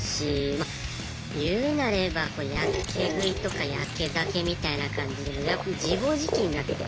まいうなればやけ食いとかやけ酒みたいな感じで自暴自棄になってて。